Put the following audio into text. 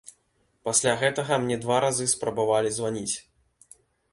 Пасля гэтага мне два разы спрабавалі званіць.